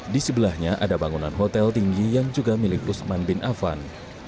di sebelahnya ada bangunan hotel tinggi yang juga milik usman bin afan